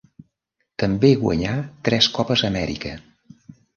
També guanyà tres Copes Amèrica.